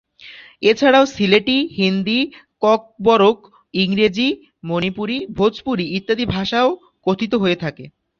এছাড়াও সিলেটি, হিন্দি, ককবরক, ইংরেজি, মণিপুরি, ভোজপুরি ইত্যাদি ভাষাও কথিত হয়ে থাকে।